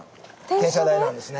転車台なんですね。